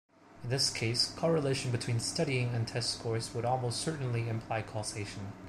In this case, correlation between studying and test scores would almost certainly imply causation.